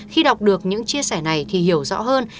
khi đọc được những chia sẻ này thì hiểu rõ hơn